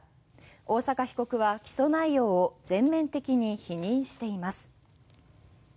大坂被告は起訴内容を全面的に否認しています。